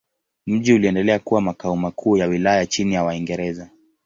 Mji uliendelea kuwa makao makuu ya wilaya chini ya Waingereza.